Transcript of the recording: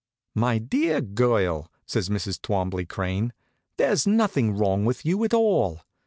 "My dear girl," says Mrs. Twombley Crane, "there's nothing wrong with you at all.